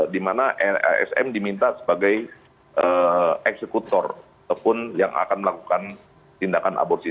di mana asn diminta sebagai eksekutor ataupun yang akan melakukan tindakan aborsi